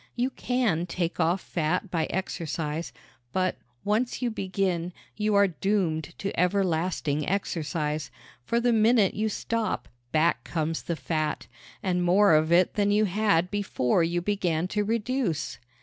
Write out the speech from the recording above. You can take off fat by exercise; but, once you begin, you are doomed to everlasting exercise, for the minute you stop back comes the fat and more of it than you had before you began to reduce.